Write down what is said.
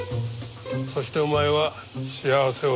そしてお前は幸せをつかむ。